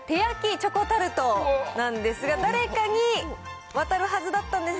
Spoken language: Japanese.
チョコタルトなんですが、誰かに渡るはずだったんです。